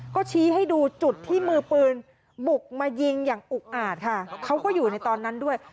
ก็ชี้ให้ดูจุดที่มือปืนบุกมายิงอย่างอุกอาจค่ะเขาก็อยู่ในตอนนั้นด้วย